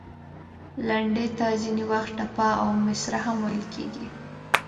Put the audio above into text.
لنډۍ ته ځینې وخت، ټپه او مصره هم ویل کیږي.